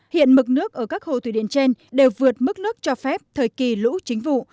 hiện mực nước ở các hồ thủy điện trên đều vượt mức nước cho phép thời kỳ lũ chính vụ